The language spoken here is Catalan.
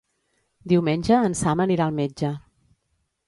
Diumenge en Sam anirà al metge.